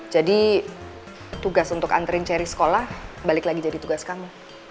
jadi tugas untuk anterin ceris sekolah balik lagi jadi tugas kamu